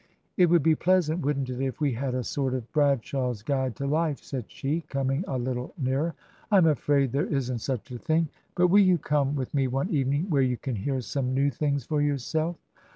" It would be pleasant, wouldn't it, if we had a sort of Bradshaw's Guide to Life ?" said she, coming a little nearer. " Tm afraid there isn't such a thing. But will TRANSITION. 89 you come with me one evening where you can hear some new things for yourself?"